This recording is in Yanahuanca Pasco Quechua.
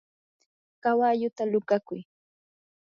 kawalluta luqakuy.